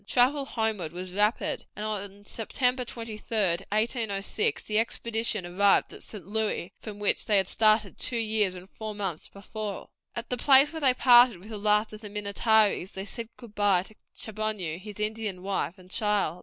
Travel homeward was rapid, and on September 23, 1806, the expedition arrived at St. Louis, from which they had started two years and four months before. At the place where they parted with the last of the Minnetarees they said goodbye to Chaboneau, his Indian wife, and child.